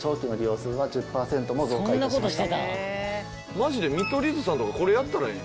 マジで見取り図さんとかこれやったらええ。